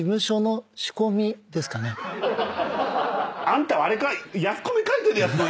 あんたはあれか？